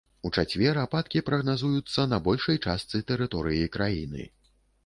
У чацвер ападкі прагназуюцца на большай частцы тэрыторыі краіны.